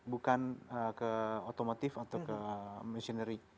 bukan ke otomotif atau ke missionary